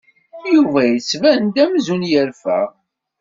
Yuba yettban-d amzun yerfa.